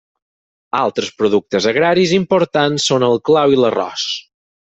Altres productes agraris importants són el clau i l'arròs.